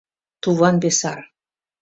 Туван-бесар!..